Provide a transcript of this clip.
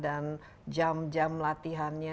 dan jam jam latihannya